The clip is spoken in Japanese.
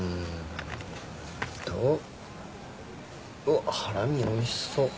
あっハラミおいしそう。